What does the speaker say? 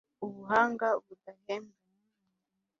ubuhanga budahembwa ni umugani